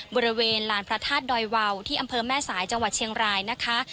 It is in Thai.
บริเวณลานพระธาตุดอยวาวที่อำเภอแม่สายจังหวัดเชียงรายนะคะ